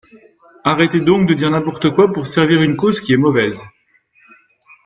Arrêtez donc de dire n’importe quoi pour servir une cause qui est mauvaise.